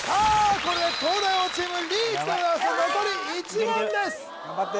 これで東大王チームリーチでございます残り１問です頑張ってよ